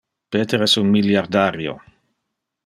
Peter es un milliardario.